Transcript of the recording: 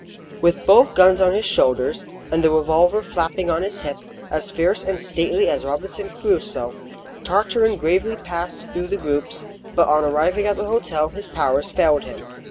With both guns on his shoulders, and the revolver flapping on his hip, as fierce and stately as Robinson Crusoe, Tartarin gravely passed through the groups; but on arriving at the hotel his powers failed him.